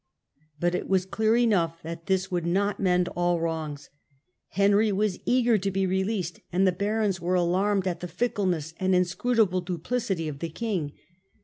But it was clear enough that this would not mend all wrongs. Henry was eager to be released, and the barons were alarmed "at the fickleness and inscrutable duplicity of the king